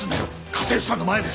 家政婦さんの前で！